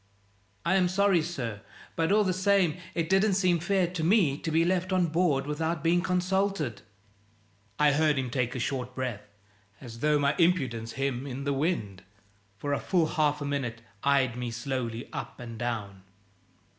"I am sorry, sir; but all the same, it didn't seem fair to me to be left on board without being consulted." I heard him take a short breath, as though my impudence him in the wind. For a full half a minute eyed me slowly up and down.